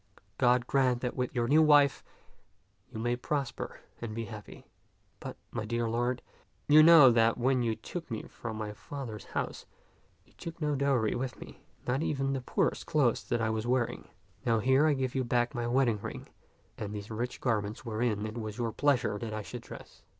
God grant that with your new wife you may prosper and be happy. But, my dear lord, you know that when you took me from my father's house, you took no dowry with me, not even the poor clothes that I was wearing. Now here I give you back my wedding ring and these rich garments wherein it was your pleasure that I should dress.